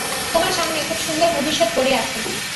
তোমার সামনে খুব সুন্দর ভবিষ্যত পড়ে আছে।